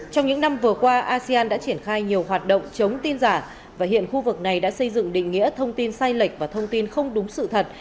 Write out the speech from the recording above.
trong những năm vừa qua asean đã triển khai nhiều hoạt động chống tin giả và hiện khu vực này đã xây dựng định nghĩa thông tin sai lệch và thông tin không đúng sự thật